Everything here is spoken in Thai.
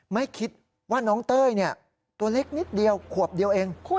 ไม่คิดว่าน้องเต้ยตัวเล็กนิดเดียวขวบเดียวเอง